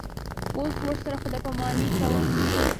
اوس ورسره خدای پاماني کوم.